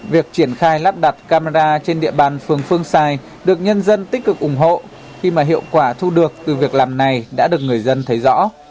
việc triển khai lắp đặt camera trên địa bàn phường phương xài được nhân dân tích cực ủng hộ khi mà hiệu quả thu được từ việc làm này đã được người dân thấy rõ